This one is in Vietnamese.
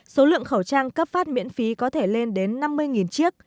số lượng khẩu trang cấp phát miễn phí có thể lên đến năm mươi chiếc